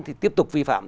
thì tiếp tục vi phạm